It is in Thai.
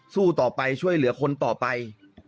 สู้ต่อไปช่วยเหลือคนต่อไป